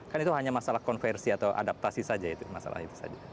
kan itu hanya masalah konversi atau adaptasi saja itu masalah itu saja